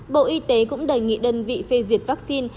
bộ y tế cũng đề nghị đơn vị phê duyệt vaccine